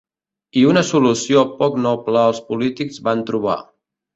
I una solució poc noble els polítics van trobar.